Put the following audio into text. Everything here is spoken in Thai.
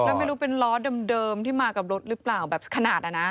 แล้วไม่รู้เป็นล้อเดิมที่มากับรถหรือเปล่าแบบขนาดอ่ะนะ